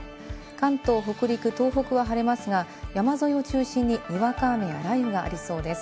関東、北陸、東北は晴れますが、山沿いを中心ににわか雨や雷雨がありそうです。